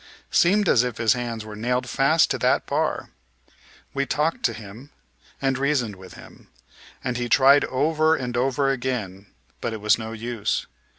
Seemed as if his hands were nailed fast to that bar. We talked to him, and reasoned with him, and he tried over and over again, but it was no use.